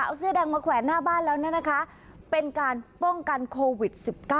เอาเสื้อแดงมาแขวนหน้าบ้านแล้วเนี่ยนะคะเป็นการป้องกันโควิด๑๙